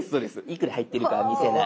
いくら入っているかは見せない。